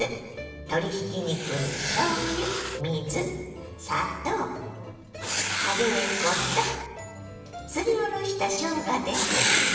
鶏ひき肉にしょうゆ水砂糖カレー粉とすりおろしたしょうがです。